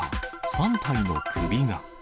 ３体の首が。